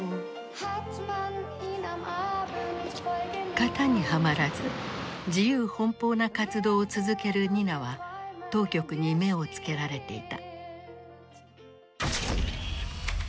型にはまらず自由奔放な活動を続けるニナは当局に目を付けられていた。